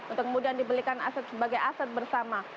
untuk kemudian dibelikan aset sebagai aset bersama